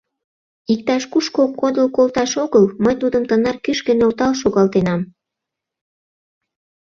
— Иктаж-кушко кодыл колташ огыл мый тудым тынар кӱшкӧ нӧлтал шогалтенам.